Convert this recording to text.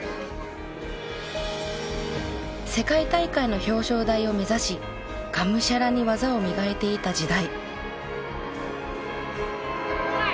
世界大会の表彰台を目指しがむしゃらに技を磨いていた時代。